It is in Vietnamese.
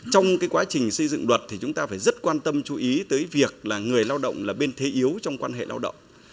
trong quá trình xây dựng luật thì chúng ta phải rất quan tâm chú ý tới việc là người lao động là bên thế yếu trong quan hệ lao động